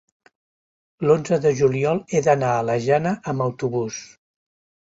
L'onze de juliol he d'anar a la Jana amb autobús.